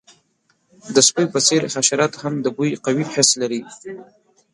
د سپیو په څیر، حشرات هم د بوی قوي حس لري.